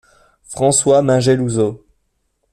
François Mingelousaux.